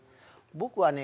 僕はね